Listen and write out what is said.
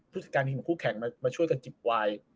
ทุกสิทธิการที่มีคู่แข่งมาช่วยกันจิบวาย